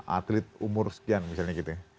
atlet umur sekian misalnya gitu ya